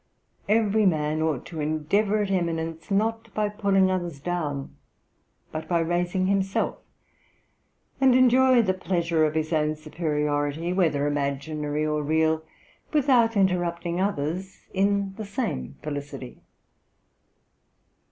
Every man ought to endeavour at eminence, not by pulling others down, but by raising himself, and enjoy the pleasure of his own superiority, whether imaginary or real, without interrupting others in the same felicity.'